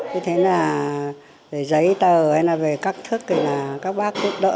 thế thế là giấy tờ hay là về các thức thì các bác giúp đỡ